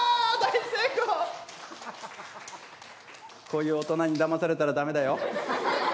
こういう大人にだまされたら駄目だよ。